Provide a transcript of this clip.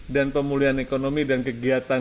dan pemulihan ekonomi dan kegiatan